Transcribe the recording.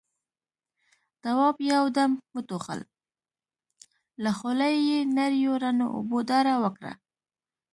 تواب يو دم وټوخل، له خولې يې نريو رڼو اوبو داره وکړه.